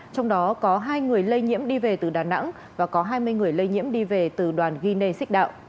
trong đó có hai người lây nhiễm đi về từ đà nẵng và có hai mươi người lây nhiễm đi về từ hà nội